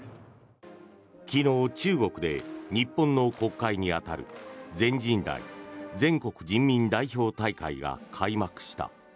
昨日、中国で日本の国会に当たる全人代・全国人民代表大会が開幕した。